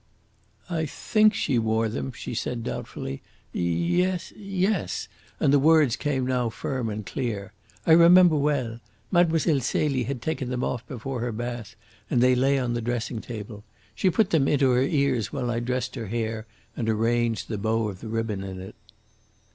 "I think she wore them," she said doubtfully. "Ye es yes," and the words came now firm and clear. "I remember well. Mlle. Celie had taken them off before her bath, and they lay on the dressing table. She put them into her ears while I dressed her hair and arranged the bow of ribbon in it."